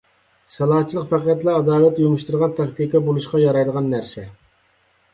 سالاچىلىق پەقەتلا ئاداۋەت يۇمشىتىدىغان تاكتىكا بولۇشقا يارايدىغان نەرسە.